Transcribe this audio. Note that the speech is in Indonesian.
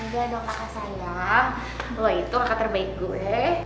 gak dong kakak sayang lo itu kakak terbaik gue